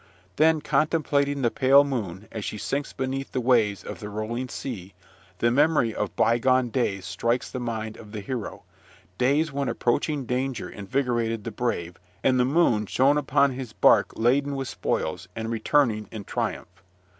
Then, contemplating the pale moon, as she sinks beneath the waves of the rolling sea, the memory of bygone days strikes the mind of the hero, days when approaching danger invigorated the brave, and the moon shone upon his bark laden with spoils, and returning in triumph.